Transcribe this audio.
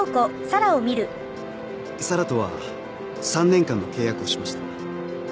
あっ沙羅とは３年間の契約をしました。